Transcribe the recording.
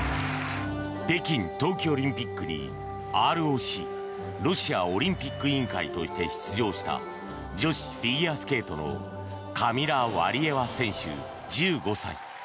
北京冬季オリンピックにＲＯＣ・ロシアオリンピック委員会として出場した女子フィギュアスケートのカミラ・ワリエワ選手、１５歳。